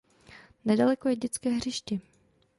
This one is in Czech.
Nedaleko je dětské hřiště.